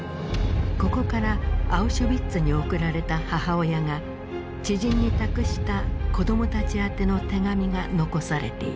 ここからアウシュビッツに送られた母親が知人に託した子どもたち宛ての手紙が残されている。